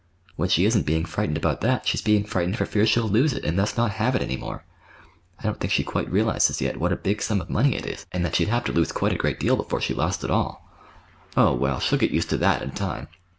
When she isn't being frightened about that, she's being frightened for fear she'll lose it, and thus not have it any more. I don't think she quite realizes yet what a big sum of money it is, and that she'd have to lose a great deal before she lost it all." "Oh, well, she'll get used to that, in time.